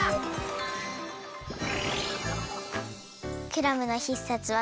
クラムの必殺技